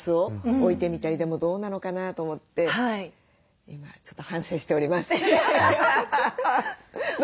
でもどうなのかな？と思って今ちょっと反省しております。